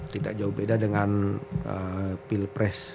tidak jauh beda dengan pilpres